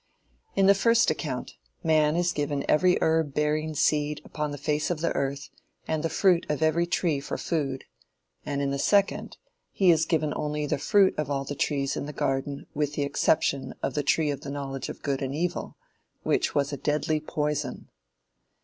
In the first account man is given every herb bearing seed upon the face of the earth and the fruit of every tree for food, and in the second, he is given only the fruit of all the trees in the garden with the exception "of the tree of the knowledge of good and evil" which was a deadly poison.